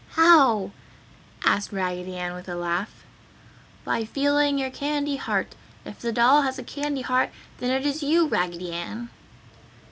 "How?" asked Raggedy Ann with a laugh. "By feeling your candy heart! If the doll has a candy heart then it is you, Raggedy Ann!"